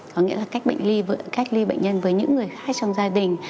có nghĩa là cách ly bệnh nhân với những người khác trong gia đình